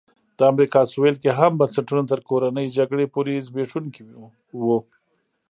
د امریکا سوېل کې هم بنسټونه تر کورنۍ جګړې پورې زبېښونکي وو.